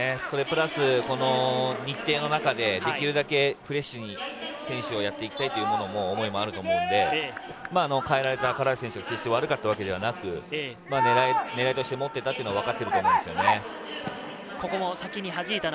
それプラス、この日程の中でできるだけフレッシュに、選手をやっていこうという思いもあると思うので、変えられた唐橋選手は決して悪かったわけではなく、狙いとして持ってたというのが分かってると思いますね。